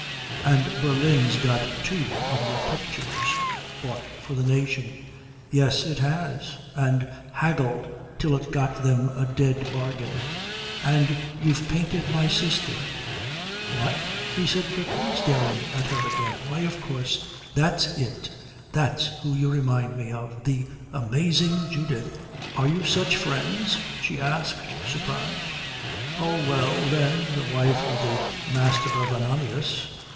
"And Berlin's got two of your pictures. Bought for the nation." "Yes, it has. And haggled till it got them a dead bargain." "And you've painted my sister." "What?" he said quickly, staring at her again. "Why, of course. That's it. That's who you remind me of. The amazing Judith." "Are you such friends?" she asked, surprised. "Oh, well, then, the wife of the Master of Ananias.